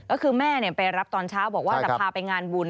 ก็คือแม่ไปรับตอนเช้าบอกว่าจะพาไปงานบุญ